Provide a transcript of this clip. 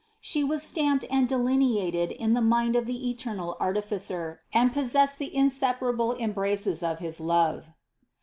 She was stamped and de lineated in the mind of the eternal Artificer and possessed the inseparable embraces of his love.